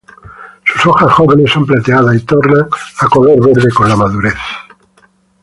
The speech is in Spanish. Sus hojas jóvenes son plateadas y tornan a color verde con la madurez.